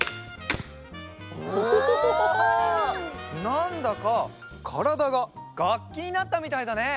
なんだかからだががっきになったみたいだね。